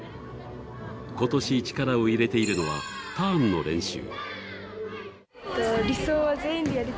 今年、力を入れているのはターンの練習。